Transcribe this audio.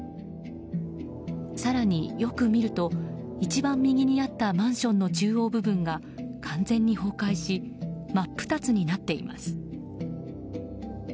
更に、よく見ると一番右にあったマンションの中央部分が完全に崩壊し真っ二つになっています。